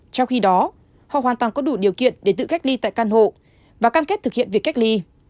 trong khi đó họ hoàn toàn có đủ điều kiện để tự cách ly tại căn hộ và cam kết thực hiện việc cách ly